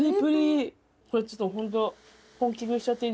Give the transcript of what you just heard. これちょっとホント。